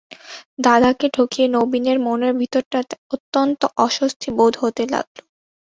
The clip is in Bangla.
দাদাকে ঠকিয়ে নবীনের মনের ভিতরটাতে অত্যন্ত অস্বস্তিবোধ হতে লাগল।